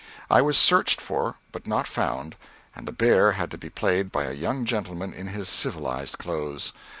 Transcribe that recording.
I was searched for but not found, and the bear had to be played by a young gentleman in his civilized clothes.